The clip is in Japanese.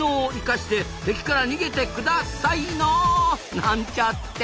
なんちゃって。